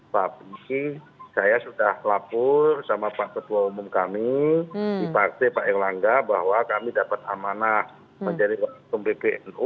tapi saya sudah lapor sama pak ketua umum kami di partai pak erlangga bahwa kami dapat amanah menjadi wakil ketua bpnu